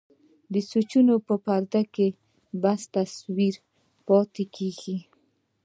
د سوچونو په پرده کې بس تصوير يې پاتې کيږي.